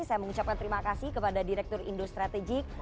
saya mengucapkan terima kasih kepada direktur indostrategic